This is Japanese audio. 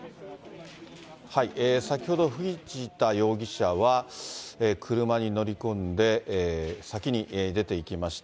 先ほど、藤田容疑者は車に乗り込んで、先に出ていきました。